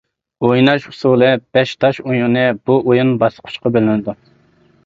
ئويناش ئۇسۇلى بەش تاش ئويۇنى بۇ ئويۇن باسقۇچقا بۆلۈنىدۇ.